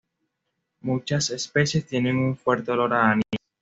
Muchas especies tienen un fuerte olor a anís.